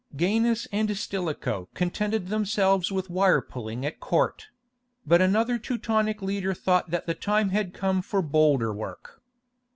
Gainas and Stilicho contented themselves with wire pulling at Court; but another Teutonic leader thought that the time had come for bolder work.